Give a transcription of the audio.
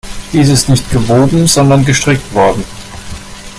Dies ist nicht gewoben, sondern gestrickt worden.